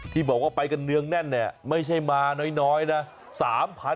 ที่บอกว่าไปกันเนืองแน่นเนี่ยไม่ใช่มาน้อยนะ